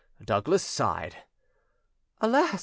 Douglas sighed. "Alas!"